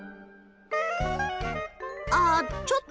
あちょっと拝見。